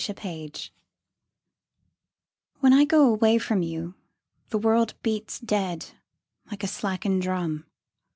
The Taxi When I go away from you The world beats dead Like a slackened drum.